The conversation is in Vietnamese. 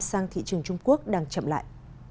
sang thị trường trung quốc đang chậm lại